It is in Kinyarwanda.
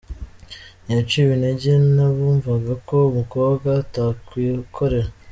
Ntiyaciwe intege n’abumvaga ko umukobwa atakwikorera.